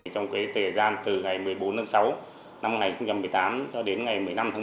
trong cái thời gian từ ngày một mươi bốn sáu năm hai nghìn một mươi tám cho đến ngày một mươi năm một mươi sáu